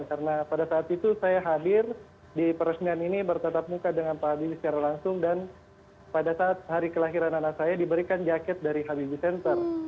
karena pada saat itu saya hadir di peresmian ini bertatap muka dengan pak habibie secara langsung dan pada saat hari kelahiran anak saya diberikan jaket dari habibie center